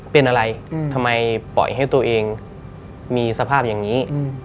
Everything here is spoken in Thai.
เป็นอะไรทำไมปล่อยให้ตัวเองมีสภาพอย่างนี้